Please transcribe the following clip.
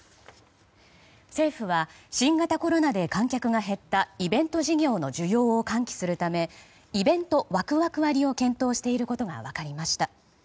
政府は新型コロナで観客が減ったイベント事業の需要を喚起するためイベントワクワク割を検討していることが分かりました。